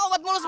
kok gulus ya